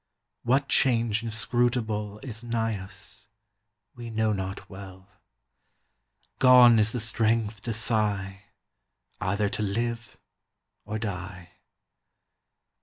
What change inscrutable Is nigh us, we know not well; Gone is the strength to sigh Either to live or die.